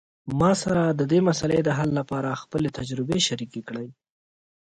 ما سره د دې مسئلې د حل لپاره خپلې تجربې شریکي کړئ